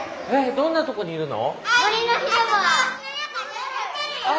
どんなとこにいるの？